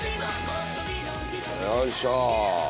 よいしょ。